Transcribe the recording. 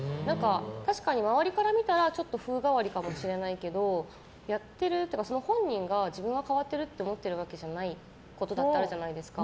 確かに周りから見たら風変りかもしれないけどやってるというか本人が自分が変わっていると思ってるわけじゃないことってあるじゃないですか。